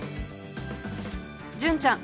純ちゃん